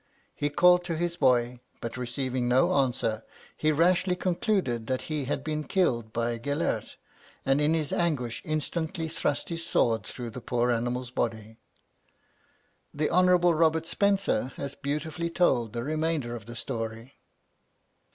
He called to his boy; but receiving no answer, he rashly concluded that he had been killed by Gelert, and in his anguish instantly thrust his sword through the poor animal's body. The Hon. Robert Spencer has beautifully told the remainder of the story.